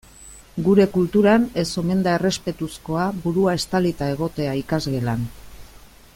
Gure kulturan ez omen da errespetuzkoa burua estalita egotea ikasgelan.